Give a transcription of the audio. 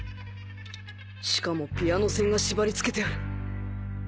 しかもピアノ線が縛りつけてある